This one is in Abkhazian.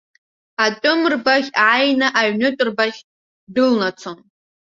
Атәым рбаӷь ааины аҩнытә рбаӷь дәылнацон.